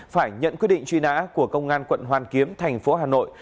phải nhận quyết định truy nã của công an quận hoàn kiếm thành phố hà nội